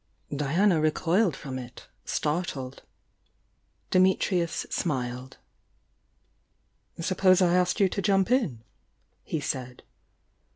Diana recoiled from it, startled. Dimitrius smiled. "Suppose I asked you to jump in?" he said.